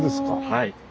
はい。